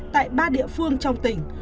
tại ba địa phương trong tỉnh